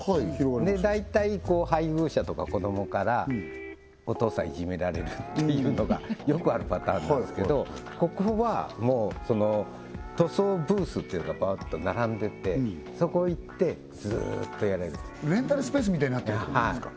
で大体配偶者とか子どもからお父さんいじめられるっていうのがよくあるパターンなんすけどここはもう塗装ブースってのがバッと並んでてそこ行ってずっとやれるレンタルスペースみたいになってるってことですか？